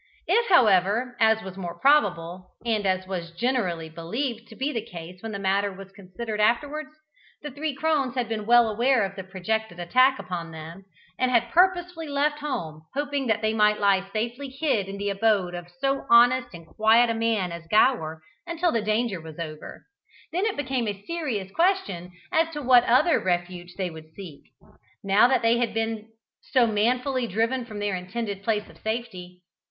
If, however, as was more probable (and as was generally believed to be the case when the matter was considered afterwards), the three crones had been well aware of the projected attack upon them, and had purposely left home hoping that they might lie safely hid in the abode of so honest and quiet a man as Gower until the danger was over, then it became a serious question as to what other refuge they would seek, now that they had been so manfully driven from their intended place of safety.